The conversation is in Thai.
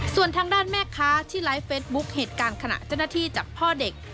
ส่วนทางด้านแม่ค้าที่ไลฟ์เฟสบุ๊คเหตุการณ์ขณะเจ้าหน้าที่จับพ่อเด็ก